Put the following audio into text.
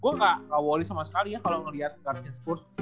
gue nggak worry sama sekali ya kalau ngeliat guardnya spurs